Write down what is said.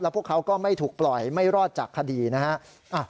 พวกเขาก็ไม่ถูกปล่อยไม่รอดจากคดีนะฮะ